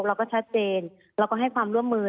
เราก็ชัดเจนเราก็ให้ความร่วมมือ